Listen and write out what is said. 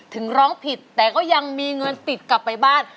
ถึงร้องผิดแต่ก็ยังมีเงินติดกลับไปบ้าน